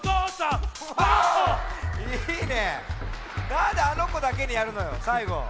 なんであのこだけにやるのよさいご。